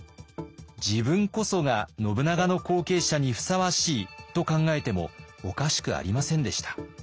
自分こそが信長の後継者にふさわしいと考えてもおかしくありませんでした。